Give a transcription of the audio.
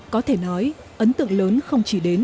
có thể nói ấn tượng lớn không chỉ đến